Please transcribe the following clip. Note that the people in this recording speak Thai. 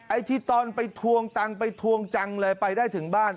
ไอ้ที่ตอนไปทวงตังค์ไปทวงจังเลยไปได้ถึงบ้าน